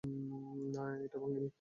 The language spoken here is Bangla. না, এটা ভাঙেনি!